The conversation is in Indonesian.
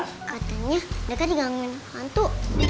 katanya dekat di gangguan hantu